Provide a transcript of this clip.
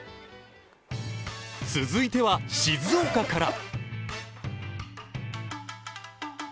続いては静岡から。